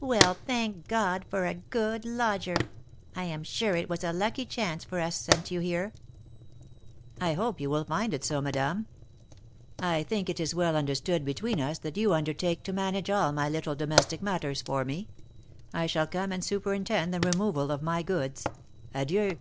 "Well, then, thank God for a good lodger! I am sure it was a lucky chance for us sent you here." "I hope you will find it so, madame. I think it is well understood between us that you undertake to manage all my little domestic matters for me. I shall come and superintend the removal of my goods. Adieu!"